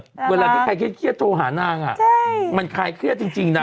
แบบเวลาที่ใครเครียดเครียดโทรหานางอ่ะใช่มันคล้ายเครียดจริงจริงนาง